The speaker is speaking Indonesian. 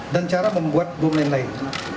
dan cara membuat bom lain lain